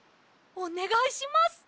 おねがいします。